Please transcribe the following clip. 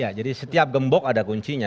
ya jadi setiap gembok ada kuncinya